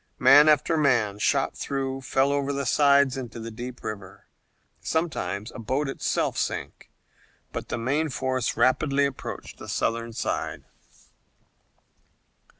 Man after man, shot through, fell over the sides into the deep river. Sometimes a boat itself sank, but the main force rapidly approached the Southern side.